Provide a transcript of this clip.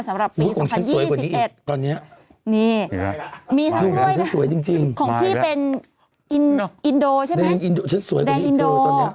สำหรับปี๒๐๒๑ก่อนนี้มีทั้งกล้วยด่างของพี่เป็นอินโดใช่ไหมแดงอินโด